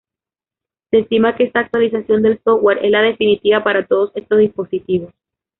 Se estima que esta actualización del software es la definitiva para todos estos dispositivos.